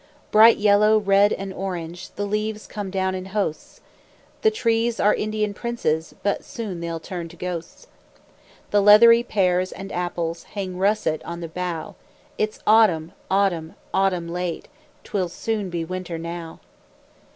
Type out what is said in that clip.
Bright yellow, red, and orange, The leaves come down in hosts; The trees are Indian princes, But soon they'll turn to ghosts; The leathery pears and apples Hang russet on the bough; It's autumn, autumn, autumn late, 'Twill soon be winter now.